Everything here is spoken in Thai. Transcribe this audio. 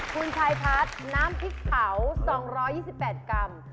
คุณชายพัฒน์น้ำพริกเผา๒๒๘กรัม